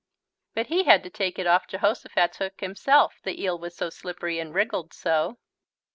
But he had to take it off Jehosophat's hook himself, the eel was so slippery and wriggled so.